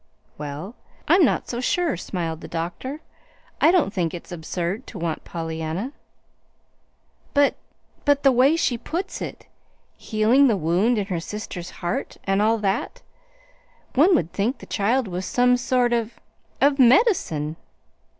"Well, I'm not so sure," smiled the doctor. "I don't think it's absurd to want Pollyanna." "But but the way she puts it healing the wound in her sister's heart, and all that. One would think the child was some sort of of medicine!"